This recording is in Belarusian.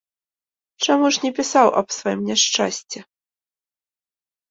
Чаму ж не пісаў аб сваім няшчасці?